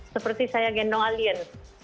seperti saya gendong alien